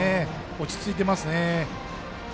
落ち着いていますね。